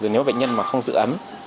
nếu bệnh nhân không giữ ấm